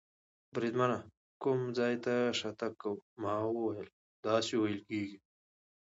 بریدمنه، کوم ځای ته شاتګ کوو؟ ما ورته وویل: داسې وېل کېږي.